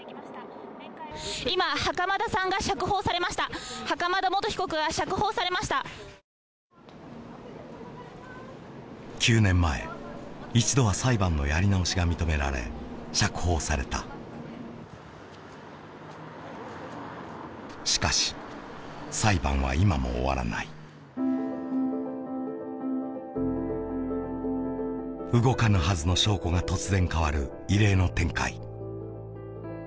今袴田さんが釈放されました袴田元被告が釈放されましたおめでとうございます９年前一度は裁判のやり直しが認められ釈放されたしかし裁判は今も終わらない動かぬはずの証拠が突然変わる異例の展開